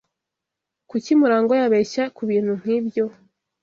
Kuki Murangwa yabeshya kubintu nkibyo?